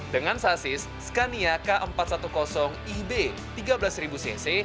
dengan sasis scania k empat ratus sepuluh ib tiga belas cc